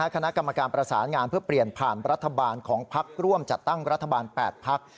คณะกรรมการประสานงานเพื่อเปลี่ยนผ่านรัฐบาลของพักร่วมจัดตั้งรัฐบาล๘พัก